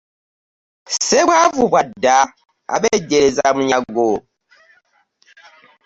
Ssebwavu bwa dda, abejjereza munyago.